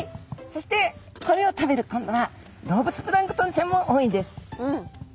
そしてこれを食べる今度は動物プランクトンちゃんも多いんです。